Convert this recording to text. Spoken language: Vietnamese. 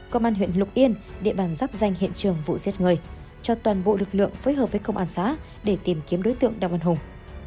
công an huyện lục yên địa bàn dắp danh hiện trường vụ giết người cho toàn bộ lực lượng phối hợp với công an xã để tìm kiếm đối tượng đặng văn hùng